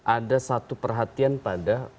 ada satu perhatian pada